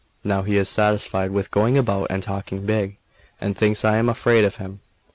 Now he is satisfied with going about and talking big, and thinks I am afraid of him.